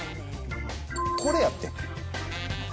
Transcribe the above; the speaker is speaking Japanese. これやって。